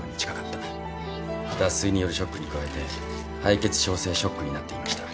脱水によるショックに加えて敗血症性ショックになっていました。